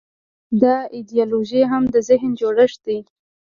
دا ایدیالوژي هم د ذهن جوړښت دی.